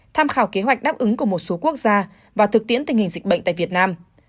tham khảo kế hoạch đáp ứng của một số quốc gia và thực tiễn tình hình dịch bệnh tại việt nam